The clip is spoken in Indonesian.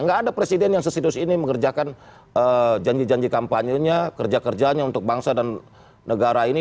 nggak ada presiden yang serius ini mengerjakan janji janji kampanye nya kerja kerjaannya untuk bangsa dan negara ini